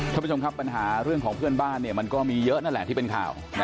ท่านผู้ชมครับปัญหาเรื่องของเพื่อนบ้านมันก็มีเยอะนั่นแหละที่เป็นข่าว